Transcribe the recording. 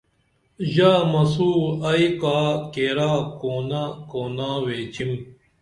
ژا مسوں ائی کا کیرا کونہ کونا ویچِم